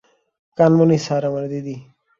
Kanmani sir আমার দিদি।